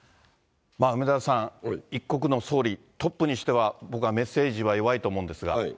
梅沢さん、一国の総理、トップにしては僕はメッセージは弱いと思うんですが。